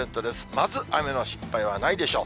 まず雨の心配はないでしょう。